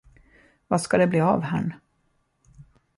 Vad ska det bli av herrn?